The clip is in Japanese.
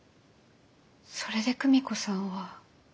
それで久美子さんは。